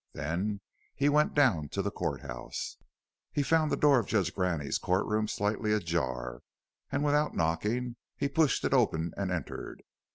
Then he went down to the court house. He found the door of Judge Graney's court room slightly ajar and without knocking he pushed it open and entered.